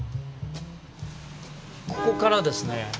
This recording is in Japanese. ここからですね